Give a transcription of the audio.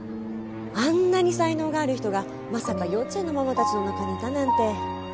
あんなに才能がある人がまさか幼稚園のママたちの中にいたなんて。